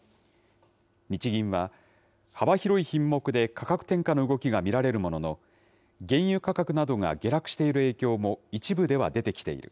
日銀は、幅広い品目で価格転嫁の動きが見られるものの、原油価格などが下落している影響も一部では出てきている。